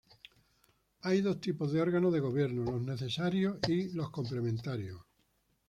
Hay dos tipos de Órganos de Gobierno, los necesarios y los complementarios.